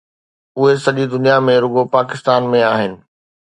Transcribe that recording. اهي سڄي دنيا ۾ رڳو پاڪستان ۾ آهن.